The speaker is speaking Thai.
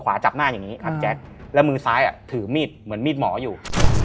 จับหน้าอย่างนี้ครับแจ๊คแล้วมือซ้ายอ่ะถือมีดเหมือนมีดหมออยู่